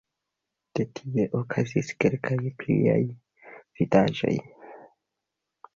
De tie okazis kelkaj pliaj vidaĵoj.